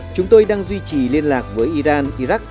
chúng tôi đang duy trì liên lạc với iran iraq